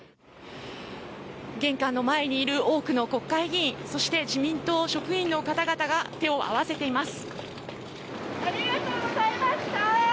玄関の前にいる多くの国会議員そして、自民党職員の方々が手を合わせています。